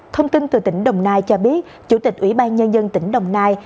thông tin từ tỉnh đồng nai cho biết chủ tịch ủy ban nhân dân tỉnh đồng nai